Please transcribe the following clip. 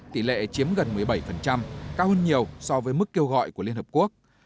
tỷ lệ chiếm gần một mươi bảy cao hơn nhiều so với mức kêu gọi của liên hợp quốc